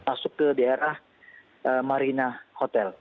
masuk ke daerah marina hotel